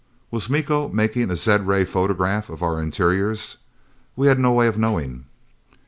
Was Miko making a zed ray photograph of our interiors? We had no way of knowing.